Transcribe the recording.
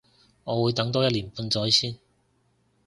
我會等多一年半載先